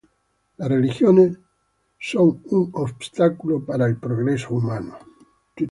Las religiones son un obstaculo para el progreso humano